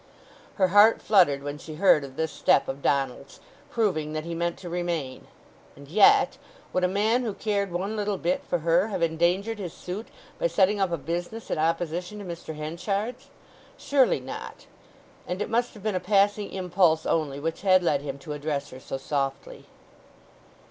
Her heart fluttered when she heard of this step of Donald's, proving that he meant to remain; and yet, would a man who cared one little bit for her have endangered his suit by setting up a business in opposition to Mr. Henchard's? Surely not; and it must have been a passing impulse only which had led him to address her so softly.